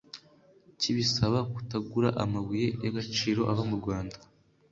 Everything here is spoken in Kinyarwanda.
kibisaba kutagura amabuye y’agaciro ava mu Rwanda